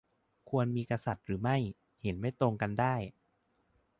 - ควรมีกษัตริย์หรือไม่ เห็นไม่ตรงกันได้